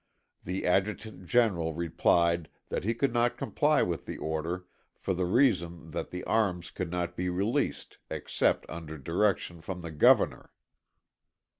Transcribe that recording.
The Adjutant General replied that he could not comply with the order for the reason that the arms could not be released except under direction from the Governor.